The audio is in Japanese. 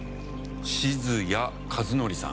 静谷和典さん。